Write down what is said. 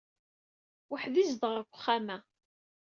Weḥd-i i zedɣeɣ deg uxxam-a.